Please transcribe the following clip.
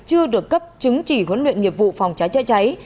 chưa được cấp chứng chỉ huấn luyện nghiệp vụ phòng trái trái trái